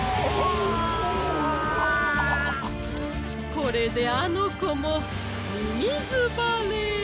これであのこもみみずばれ！